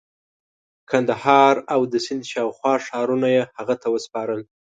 قندهار او د سند شاوخوا ښارونه یې هغه ته وسپارل.